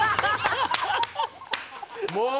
もう。